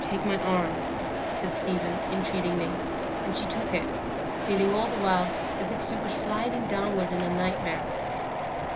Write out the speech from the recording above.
"Take my arm," said Stephen, entreatingly; and she took it, feeling all the while as if she were sliding downward in a nightmare.